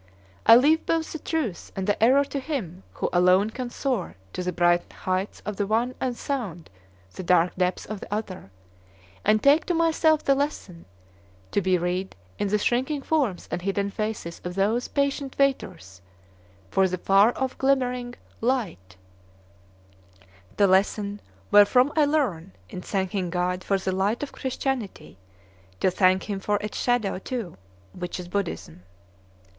I leave both the truth and the error to Him who alone can soar to the bright heights of the one and sound the dark depths of the other, and take to myself the lesson, to be read in the shrinking forms and hidden faces of those patient waiters for a far off glimmering Light, the lesson wherefrom I learn, in thanking God for the light of Christianity, to thank him for its shadow too, which is Buddhism.